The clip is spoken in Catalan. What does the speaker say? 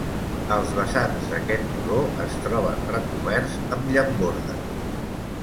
Els vessants d'aquest turó es troben recoberts amb llambordes.